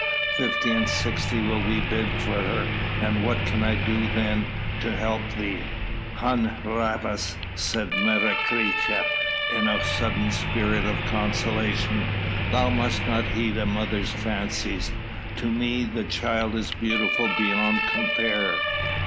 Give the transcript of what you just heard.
Fifty and sixty will be bid for her, and what can I do then to help thee?" "Hun Rhavas," said Menecreta in a sudden spirit of conciliation, "thou must not heed a mother's fancies. To me the child is beautiful beyond compare.